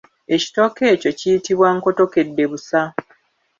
Ekitooke ekyo kiyitibwa nkottokeddebusa.